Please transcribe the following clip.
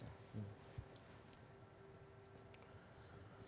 tentu punya kekhawatiran yang sangat luar biasa